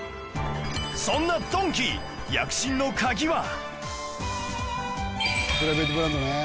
そんなドンキ躍進のカギは